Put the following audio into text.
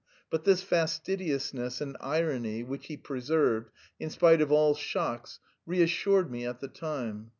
But this fastidiousness and irony which he preserved in spite of all shocks reassured me at the time.